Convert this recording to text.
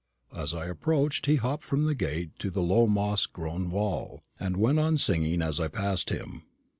As I approached, he hopped from the gate to the low moss grown wall, and went on singing as I passed him.